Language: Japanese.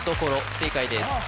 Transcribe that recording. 正解です